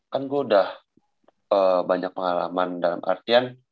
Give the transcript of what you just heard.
kan gue udah banyak pengalaman dalam artian